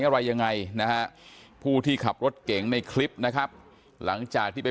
อะไรยังไงนะฮะผู้ที่ขับรถเก่งในคลิปนะครับหลังจากที่ไป